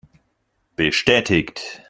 Bestätigt!